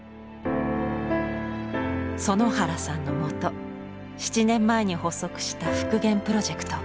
園原さんのもと７年前に発足した復元プロジェクト。